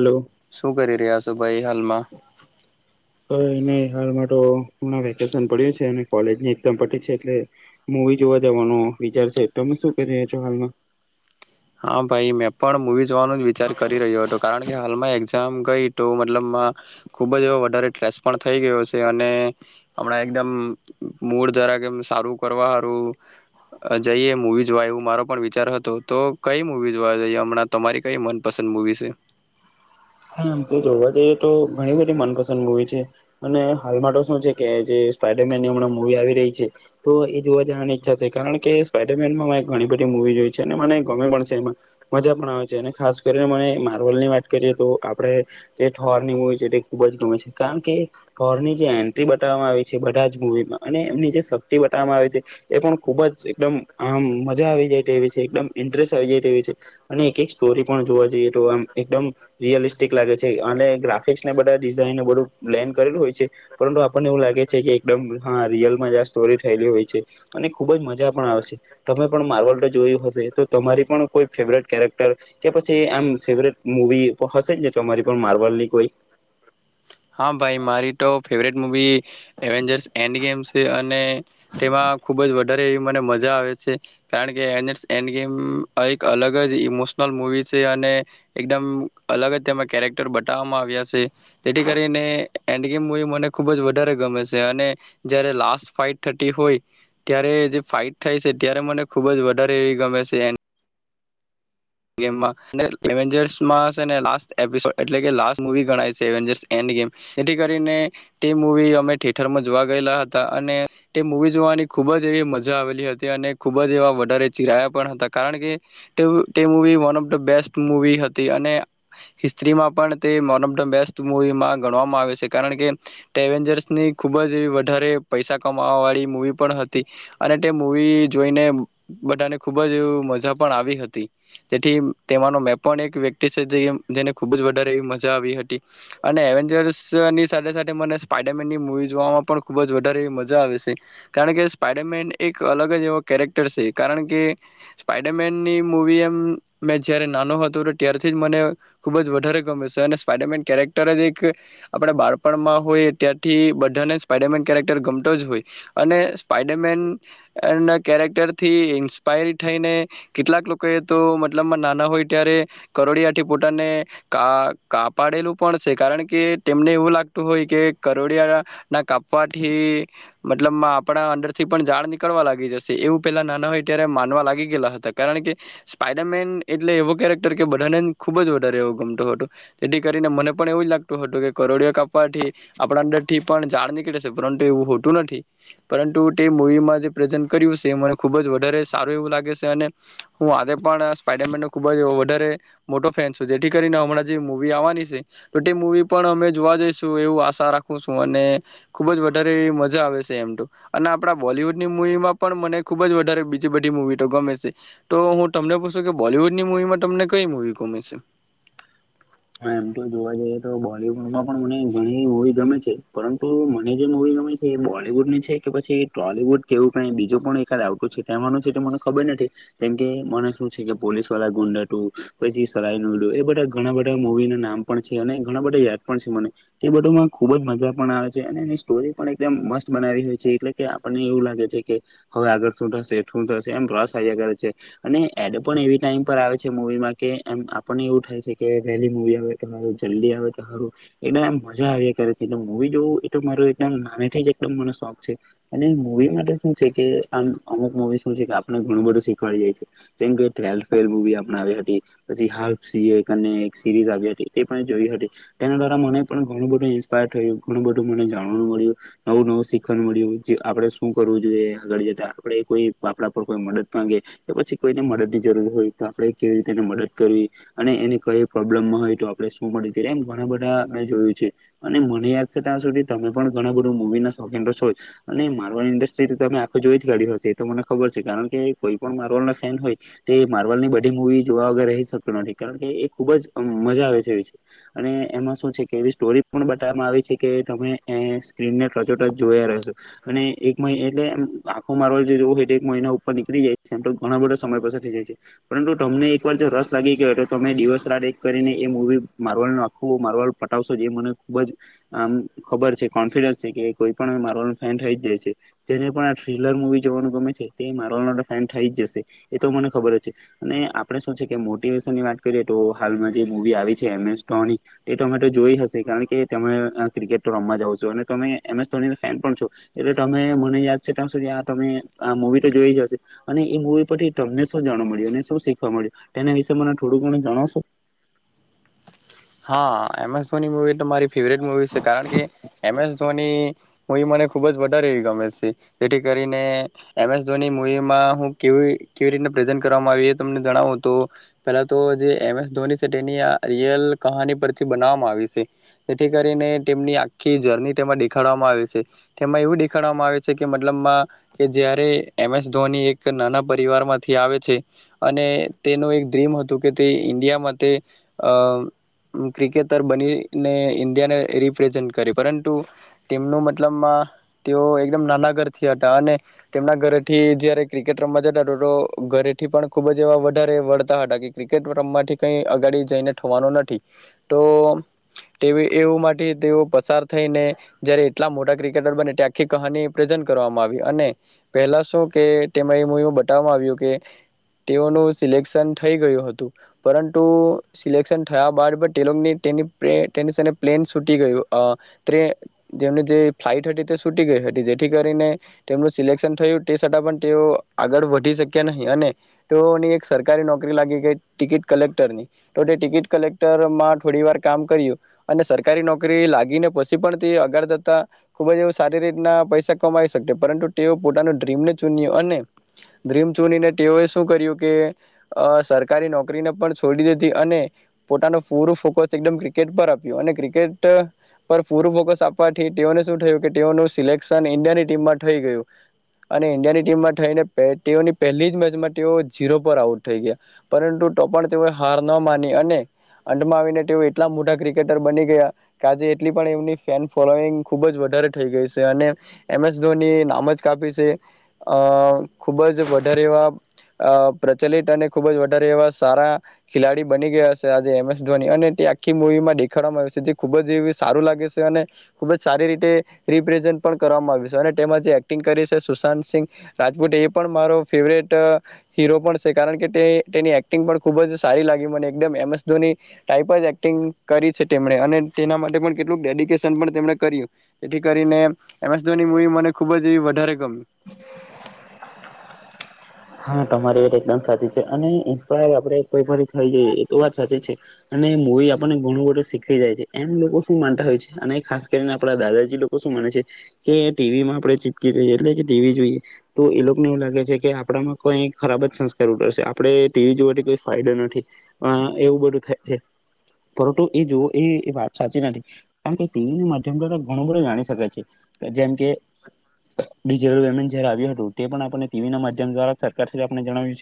Hello શું કરી રહ્યા છો ભાઈ હાલમાં? કઈ નહી હાલમાં વેકેશન પડ્યુ છે કોલેજ નિ પરીક્ષા પતિ છે એટલે મુવી જોવા જવાનો વિચાર છે તોમે શું કરી રહ્યા છો હાલમાં? હા ભાઈ મેં પણ મુવી જોવાનો જ વિચાર કરી રહ્યો હતો કારણ કે હાલમાં એક આમ ગઈ તો મતલબમાં ખુબ જ એવ વધારે સ્રેસ પણ થઈ ગયો છે અને હમણાં એકદમ મૂડ દ્વારા કેમ સારું કરવાારું જઈએ મવી જોવાય એવો મારો પણ વિચાર હતો તો કઈ મુવી જોવા જઈએ હમણાં તમારી કઈ મનપસંદ મુવી છે. હામ તો જોવા જઈએ તો ઘણી બધી મનપસંદ મુૂવી છે અને હાલમાં તો શું છે કે જે સ્પાઈડરમેન ની હમણાં મૂવી આવી રહી છે તો એ જોવા જવાની ઈચ્છા છે કારણ કે સ્પાઈડરમેનમાં ઘણી બધી મુૂવી જોઈ છે અને મને ગમે પણ છે એમાં મજા પણ આવે છે અને ખાસ કરીને મને માર્વલ ની વાત કરીએ તો આપણે જે ઠોરની મૂવી છે તે ખૂબ જ ગમે છે કારણ કે ઠોરની જે એન્ટ્રી બતાવવામાં આવી છે બધા જ મૂવીમાં અને એમની જે શક્તિ બતાવવામાં આવી છે એ પણ ખૂબ જ એકદમ આમ મજા આવી જાયવી છે એકદમ ઇન્ટરેસ્ટ આવી જાય છે અને એક એક સ્ટોરી પણ જોવા જઈએ તો આમ એકદમ રિયલિસ્ટિક લાગે છે અને ગ્રાફિક્સને બધા ડિઝાઇન બધું બ્લેન કરેલું હોય છે પરંતુ આપણને એવું લાગે છે કે એકદમ હા રિયલમાં જ આ સ્ટોરી થયેલી હોય છે અને ખૂબ જ મજા પણ આવે છે તમે પણ માર્વલ તો જોયું હશે તો તમારી પણ કોઈ ફેવરેટ કેરેક્ટર કે પછી આમ ફેવરેટ મૂવી હશે જ તમારી પણ મારબલની કોઈ હા ભાઈ મારી તો favourite movie Avengers and game છે અને તેમાં ખુબ જ વધારે એવી મને મજા આવે છે કારણ કે એ ઐંડ ગેમ એક અલગ જ ઇમોશનલ મુવી છે અને એકદમ અલગ જ તેમાં કેરેક્ટર બતાવવામાં આવ્યા છે. ઐંડ ગેમ મુવી મને ખુબ જ વધારે ગમે છે અને જયારે લાસ્ટ ફાઈટ થટી હોય ત્યારે જે ફાઈટ થાય છે ત્યારે મને ખુબ જ વધારે એવી ગમે છે. જર્સને લ એપિસો એટલે કે લાસટ મુવી ગણાય છે એવનજસ એડ ગેમ જેથી કરીને તે મુવી અમે થિયેટરમાં જોવા ગયેલા હતા અને તે મુવી જોવાની ખુબ જ એવી મજા આવેલી હતી અને ખુબ જ એવા વધારે ચિરાયા પણ હતા કારણ કે તે movie one of the best movie હતી અને હિસ્ટ્રીમાં પણ તે વન ઓફ ધ બેસ્ટ મૂવીમાં ગણવામાં આવે છે કારણ કે ્રેવેન્જર્સની ખૂબ જ એવી વધારે પૈસા કમાવવાળી મૂવી પણ હતી અને તે મૂવી જોઈને બધાને ખૂબ જ એવી મજા પણ આવી હતી. તે તેનો મે પણ એક વ્યક્તિ છે જેને ખૂબ જ વધારે એવી મજા આવી હતી અને એવેન્જર્સની સાથે સાથે મને સ્પાઈડરમેનની મૂવી જોવામાં પણ ખૂબ જ વધારે એવી મજા આવે છે કારણ કે સ્પાઈડરમેન એક અલગ જ એવો કેરેક્ટર છે કારણ કે સ્પાઈડરમેનની મુવી એમ મેં જ્યારે નાનો હતો ત્યારથી જ મને ખૂબ જ વધારે ગમે છે, અને સ્પાઈડરમેન કેરેક્ટર જ એક આપણા બાળપણમાં હોય ત્યારથી બધાને સ્પાઈડરમેન કેરેક્ટર ગમતો જ હોય અને સ્પાઈડરમેન કેરેક્ટરથી ઇન્સ્પાયર થઈને કેટલાક લોકોએ તો મલબ નાના હોય ત્યારે કરોડિયા થી પોતાને કા કાપાડેલું પણ છે, કારણ કે તેમને એવું લાગતું હોય કે કરોડિયા ના કાપવાથી મતલબમાં આપણા અંદરથી પણ જાળ નીકળવા લાગી જશે એવું પેલા નાના હોય ત્યારે માનવા લાગી ગયલા હતા કારણ કે સપાઇડરમેન એટલે એવો કેરેક્ટર કે બધાનેને ખુબ જ વધારે એવો ગમતું હતું તેથી કરીને મને પણ એવું જ લાગતું હતું કે કરોડિયા કાપવાથી આપણા અંદર થી પણ જાળ નીકળે છે, પરંતુ એવું હોતું નથી પરંતુ તે મુવીમાં જે પ્રેઝન્ટ કર્યું છે મને ખુબ જ વધારે સારું એવું લાગે છે અને હું આે પણ સ્પાઈડરમેન નો ખૂબ જ વધારે મોટો ફેન છું જેથી કરીને હમણાં જે મૂવી આવવાની છે તો તે મૂવી પણ અમે જોવા જઈશું એવું આશા રાખું છું, અને ખૂબ જ વધારે મજા આવે છે એમ તો અને આપણા બોલીિવૂડની મુૂવીમાં પણ મને ખૂબ જ વધારે બીજી બધી મૂવી તો ગમે છે તો હું તમને પૂછું કે બોલીવૂડની મુવી માં તમને કઈ મૂવી ગમે છે? હા એમ તો જોવા જઈએ તો બોલીવૂડમાં પણ મને ઘણી મૂવી ગમે છે પરંતુ મને જે મૂવી ગમે છે એ બોલીવૂડ ની છે કે પછી ટોલીવૂડ કેવું ક બીજું પણ એકદ આવટું છેહેવાનું છે મને ખબર નથી જેમ કે મને શું છે કે પોલીસ વાળા ગુંડટું પછી સરાઈ નડું એ બધા ઘણા બધા મૂવી ના નામ પણ છે અને ઘણા બધા યાદ પણ છે મને તે બધુંમાં ખુબ જ મજા પણ આવે છે અને એની સ્ટોરી પણ એકમ મસ્ત બનાવી હોય છે, એટલે કે આપણને એવું લાગે છે કે હવે આગળ શું થશે શું થશે એમ રસ આવ્યા કરળ છે અને એડ પણ એ ટાઈમ પર આવે છે મવીમાં કેમ આપણને એવું થાય છે. કે પહેલી મુવી આવે તો હારું જલ્દી આવે તો હારું એકદમમ મજા આવ કરે એટલે મવી જોવું એટ માર એકદમ નાનેથી જ એકમ મને શોખ છે, અને મવી માટે શું છે કે આ અમુક મુવી શું છે કે આપણે ઘણું બધું શીખવાડી જાય છે જેમ કે ટ્વેલ્થ ફેલ મુવી આપણે આવી હતી પછી હાલફ અને એક સીરીઝ આવ હતી તે પણ જોઈ હતી તેના દ્વારા મને પણ ઘણું બધું ઇન્સ્પાયર થયું ઘણું બધું મને જાણવાનું મળ્યું નવું-નવું શીખવા મળ્યું જે આપણે શું કરવું જોઈએ આગળ જતા, આપણે કોઈ આપણા પર કોઈ મદદ માંગે કે પછી કોઈને મદદ ની જરૂર હોય તો આપણે કેવી રીતેને મદદ કરવી અને એને કઈ પ્રોબ્લેમમાં હોય તો આપણે શું મળી એમ ઘણા બધા મેં જોયું છે અને મને યાદ છે ત્યાં સુધી તમે પણ ઘણા બધું મુવી ના શોકીન તો છોજ, અને માર્વલ ઇન્ડસ્ટ્રી તમે આખો જોઈથી કાઢ્યું હશે એ તો મને ખબર છે કારણ કે કોઈ પણ માર્બલ ના ફેન હોય તો એ માર્વલ ની બધી મૂવી જોવા વગર રહી શક્યો નથી કારણ કે એક ખુબ જ મજા આવે છે એવી અને એમાં શું છે કે એવી સ્ટોરી પણ બતાવવામાં આવી છે કે તમે એ સ્ક્રીનને ટચો ટચ જોયા રહેશો અને એક મહિને એટલે એમ આખો માર્લ જોવો હોય તો એક મહિના ઉપર નીકળી જાય છે, એમ તો ઘણા બધો સમય પસાર થઈ જાય છે પરંતુ તમને એક વાર જો રસ લાગી ગયોય તો તમે દિવસ રાત કરીને એ મુવી માર્વલ નું આખું માર્વલ પટાવશો જે મને ખુબ જ આમ ખબર છે કોન્ફિડન્સ છે, કે કોઈ પણ માર્વલ ન ફેન થઈ જાય છે જેને પણ આ થ્રીલર મુવી જોવાનું ગમે છે તે માર્વલ ફેન થઈ જ જશે એ તો મને ખબર જ છે અને આપણે શું છે કે મોટિવેશન ની વાત કરીએ. તો હાલમાં જે મૂવી આવી છે એમ એસ ઘોની એ જોઈ હશે કારણ કે તેમણે ક્રિકેટ તો રમવા છો અને તમે એમ એસ ધોની ફેન પણ છો એટલે તમે મને યાદ છે ત્યાં સુધી આ તમે આ મુવી તો જોઈ જ હશે, અને એ મુવી પરછથી તમને શું જાણવા મળ્યું અને શું શીખવા મળ્યું તેના વિશે મને થોડું ઘણુ જાણો છો? હા એમ એસ ધોની મુવી મારી ફેવરેટ મુવી છે કારણ કે એમ એસ ધોની મૂવી મને ખૂબ જ વધારે એવી ગમે છે જેથી કરીને એમ એસ ધોની મૂવીમાં હું કેવી કેવી રીતના પ્રેઝન્ટ કરવામાં આવી એ તમને જણાવું તો, પહેલા તો જે એમ એસ ધોની છે તેની આ રિયલ કહાની પરથી બનાવવામાં આવી છે જેથી કરીને તેમની આખી જર્ની તેમાં દેખાડવામાં આવી છે, તેમાં એવું દેખાડવામાં આવે છે કે મતલબમાં કે જ્યારે એમ એસ ધોની એક નાના પરિવારમાંથી આવે છે અને તેનું એક ડ્રીમ હતું કે તે ઇન્ડિયામાં તે ક્રિકેટર બનીને ઇન્ડિયાને રિપ્રેઝન્ટ કરી પરંતુ, તેમનું મતલબમાં તેઓ એકદમ નાના ઘરથી હતા અને તેમના ઘરેથી જયારે ક્રિકેટ રમવા જતા તો ઘરેથી પણ ખુબ જ એવા વધારે વળતા હતા કે ક્રિકેટ રમવાથી કઈ અગાડી જઈને થવાનું તો તે એવું માટે તેઓ પસાર થઈને જયારે એટલા મોટા ક્રિકેટર બને ત આખી કહાની પ્રઝ કરવામાં આવી, અને પહેલા શું કે તે એવું બતાવવામાં આવ્યું કે તેઓનું સિલેક્શન થઈ ગયું હતું પરંતુ સિલેક્શન થયા બાદ બ તેલોની તેની તેની સા પ્લેન છૂટી ગયું તે જેમની જે ફ્લાઇટ હતી તે છૂટી ગઈ હતી, જેથી કરીને તેમનું સિલેક્શન થયું તે છતાં પણ તેઓ આગળ વધી શક્યા નહીં અને તેઓની એક સરકારી નોકરી લાગી ગઈ ટિકિટ કલેક્ટરની તો તે ટિકિટ કલેક્ટરમાં થોડી વાર કામ કર્યું અને સરકારી નોકરી લાગીને પછી પણ તે અગાર જતા ખૂબ જ એવ સારી રીતના પૈસા કમાઈ શક્યો પરંતુ તેઓ પોતાનું ડ્રીમને ચૂન્યું અને ડ્રીમ ચૂનીને તેઓએ શું કર્યું કે સરકારી નોકરીને પણ છોડી દીધી અને પોતાનું પૂરું ફોકસ એકદમ ક્રિકેટ પર આપ્યું અને ક્રિકેટ પર પૂરું ફોકસ આપવાથી તેઓને શું થયું કે તેઓનું સિલેક્શન ઈન્ડિયાની ટીમમાં થઈ ગયું અને ઈન્ડિયાની ટીમમાં થઈને તેઓની પહેલી જ મેચમાં તેઓ ઝીરો પર આઉટ થઈ ગયા પરંતુ તો પણ તેઓએ હાર ન માની અને અમાં આવીને તેઓ એટલા મોટા ક્રિકેટર બની ગયા કે આજે એટલી પણ એમની ફેન ફોલોઈંગ ખુબ જ વધારે થઈ ગઈ છે અને એમ એસ ધોની નામ જ કાપી છે અ ખુબ જ વધારે એવા પ્રચલિત અને ખુબ જ વધારે એવા સારા ખેલાડી બની ગયા છે. તે આખી મવીમાં દેખાડવામાં આવ છે જે ખુબ જ સારું લાગે છે અને ખુબ જ સારી રીતે રિપ્રેઝન્ટ પણ કરવામાં આવ્યું છે અને તેમાં જે એક્ટિંગ કરી છે સુશાંત સિંહ રાજપૂત એ પણ મારો ફેવરેટ હીરો પણ છે કારણ કે તે તેની એક્ટિંગ પણ ખુબ જ સારી લાગી મને એકદમ એમસ ટયપ એક્ટિંગ કરી છે તેમણે અને તેના માટે પણ કેટલું ડેડિકેશન પણ કર્યું જેથી કરીને એમેશ મવી મને ખુબ જ એ વધ ગમ હા તમારી વા એકદમ સાચી છે અને ઇન્સ્પાયર આપડેપથી થઈ જઈએ એ તો વાત સાચી છે અને મૂવી આપણને ઘણું બધું શીખી જાય છે એમ લોકો શું માનતા હોય છે અને ખાસ કરીને આપડા દાદાજી લોકો શું માને છે કે ટીવી માં આપડે ચીપકી જઈએ એટલે કે ટીવી જોઈએ તો એ લોકોને એવું લાગે છે કે આપણામાં કઈ ખરાબ જ સંસ્કાર ઉતરશે આપણે ટીવી જોવાથી કોઈ ફાયદો નથી એવું બધું થાય છે પરંતુ એ જો એ વાત સાચી નથી કારણકે ટીવી ના માધ્યમ દ્વારા ઘણું બધો જાણી શકે છે જેમ કે ડિજીિટલ પેમેન્ટ જયારે આવ્યું હતું તે પણ આપણને ટીવી ના મા સર આપ જણાવ્યું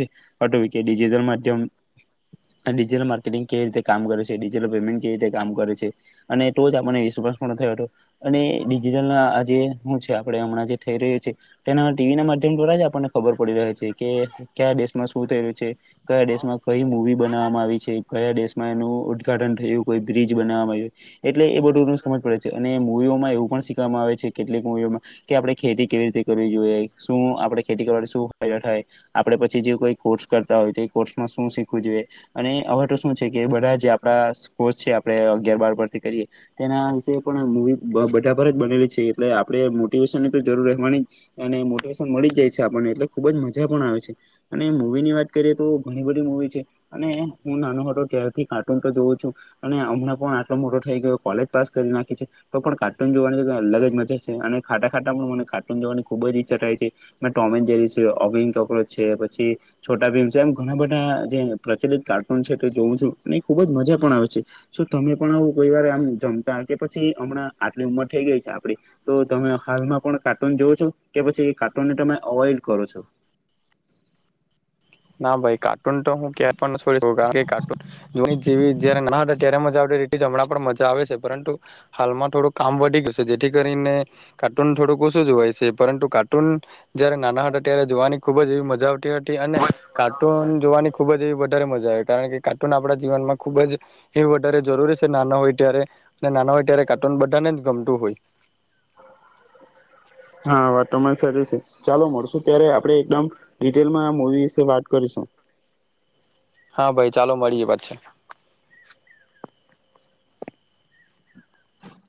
છેટલ માર્ટંગ ક રીતે કામ કરે છેટલ પેમેન્ટ ક રીતે કામ કરે છે અને તો જ આપને વિશ્વાસ પણ થયો હતો અને ડિજટલ આ જે હું છે આપ હમણાં જે થઈ રહ્યો છે તેના ટીવી ના માધ્યમ દ્વારા જ આપને ખબર પડી રહે છે કે કયા દેશમાં શું થયલું છે કયા દેશમાં કઈ મૂવી બનાવવામાં આવી છે કયા દેશમાં એનું ઉદઘાટન થયું કોઈ બ્રિજ બનાવવામાં આવ એટલે એ બધું સમજ પડે છે અને મૂવીઓમાં એવું પણ શીખવામાં આવે છે કેટલીક મૂવીઓમાં કે આપડણે ખેતી કેવી રીતે કરવી જોઈએ શું આપડણે ખેતી કરવા શ ફાયદા થાય આપે પછી જે કોઈ કોર્સ કરતા હોય તો એ કોર્સમાં શું શીખવું જોઈએ અને હવે તો શું છે કે બધા જે આપણા કોર્સ છે આપણે અગિયાર બાર પરથી કરીએ તેના વિશે પણ મૂવી બધા પર જ બનેલી છે એટલે આપણે મોટિવેશન ની તો જરૂર રહેવાની જ અને મોટિવેશન મળી જાય. આપણને એટલે ખુબ જ મજા પણ આવે છે અને મુૂવી ની વાત કરીએ તો ઘણી બધી મુવી છે અને હું નાનો ખાટો ત્યારથી કાર્ટૂન તો જોઉં છું અને હમણાં પણ આટલો મોટો થાય કે કોલેજ પાસ કરી નાખી છે તો પણ કાર્ટૂન જોવાની અલગ જ મજા છે અને ખાટા ખાટા પણ મને કાર્ટૂન જોવાની ખુબ જ ઈચ્છા થાય છે. મે ટોમેન જેરી છે અવિન કોકરોચ છે પછી છોટા ભીમ છે એમ ઘણા બધા જે પ્રચલિત કાર્ટૂન છે તે જોઉું છું અને એ ખુબ જ મજા પણ આવે છે તમે પણ આવું કોઈ વાર આમ જમતા કે પછી હમણાં આટલી ઉંમર થઈ ગઈ છે આપડી તો તમે હાલમાં પણ કાર્ટૂન જોવો છો કે પછી તમે અવોઈડ કરો છો. ના ભાઈ કાર્ટૂન તો હું ક્યાય પણ ન છોડી શકું કારણ કે કાર્ટૂન જો જેવી જારે નાના હતા ત્યારે મજા આવતી તે હમણાં પણ મજા આવે છે પરંતુ હાલમાં થોડું કામ વધી ગયું છે જેથી કરીને કાર્ટૂન થોડુંક ઓશું જોવાય છે પરંતુ કાર્ટૂન જયારે નાના હતા ત્યારે જોવાની ખુબ જ એવી મજા આવતી હતી. કાર્ટૂન જોવાની ખુબ જ એવી બ વધ મજા આવે કારણ કે કાર્ટૂન આપણા જીવનમાં ખુબ જ એ વધારે જરૂરી છે નાના હોય ત્યારે નાના હોય ત્યારે કાર્ટૂન બધાને જ ગમતું હોય. હા વાત તોરી સાજ છે ચાલો મળશું ત્યારે આપડણે એકદમ ડિટેલમાં આ મુવી વિશે વાત કરીશું. હા ભાઈ ચાલો મળીએ પછી.